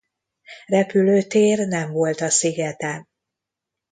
Repülőtér nem volt a szigeten.